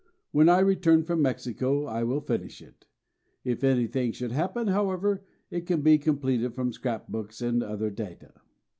When I return from Mexico I will finish it. If anything should happen, however, it can be completed from scrapbooks and other data."